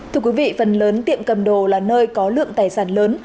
thưa quý vị phần lớn tiệm cầm đồ là nơi có lượng tài sản lớn